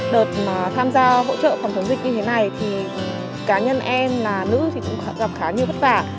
đợt mà tham gia hỗ trợ phòng chống dịch như thế này thì cá nhân em là nữ thì cũng gặp khá nhiều vất vả